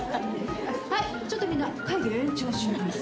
はいちょっとみんな会議を延長します。